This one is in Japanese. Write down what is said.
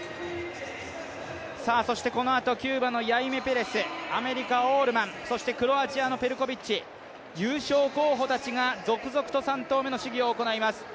そしてこのあとキューバのヤイメ・ペレスアメリカ・オールマンクロアチアのペルコビッチ、優勝候補たちが続々と３投目の試技を行います。